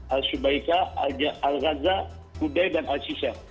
al jayyat al ghazah al qudai dan al sisyah